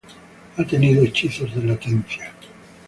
Ha tenido hechizos de latencia.